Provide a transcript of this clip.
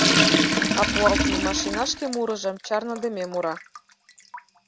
А пуалтыме машина шке мурыжым чарныдыме мура: